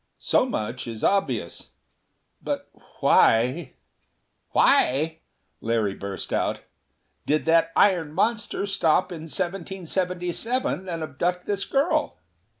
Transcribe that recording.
So much is obvious. But why " "Why," Larry burst out, "did that iron monster stop in 1777 and abduct this girl?"